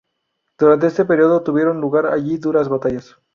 Durante este periodo tuvieron lugar allí duras batallas.